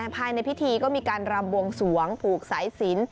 ภายในพิธีก็มีการรำบวงสวงผูกสายสิน